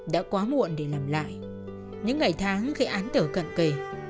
đã quá muộn để làm lại những ngày tháng gây án tở cận kỳ